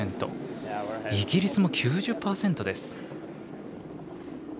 イギリスも９０％です。